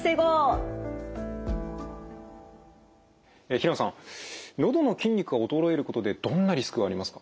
平野さんのどの筋肉が衰えることでどんなリスクがありますか？